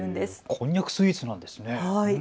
こんにゃくスイーツなんですね。